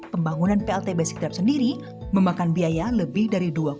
pembangunan pltb sidrap sendiri memakan biaya lebih dari dua satu triliun rupiah